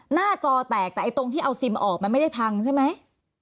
หน้าจอแตกแต่ตรงที่เอาซิมออกมันไม่ได้พังใช่ไหม